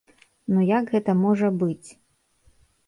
Ну як гэта можа быць?